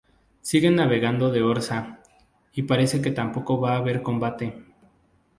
Siguen navegando de orza, y parece que tampoco va a haber combate.